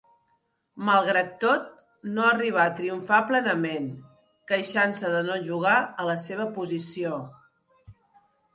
Malgrat tot, no arribà a triomfar plenament, queixant-se de no jugar a la seva posició.